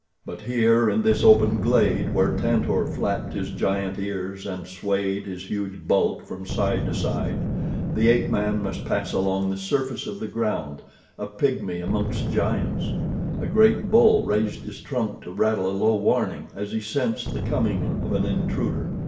But here, in this open glade where Tantor flapped his giant ears and swayed his huge bulk from side to side, the ape man must pass along the surface of the ground—a pygmy amongst giants. A great bull raised his trunk to rattle a low warning as he sensed the coming of an intruder.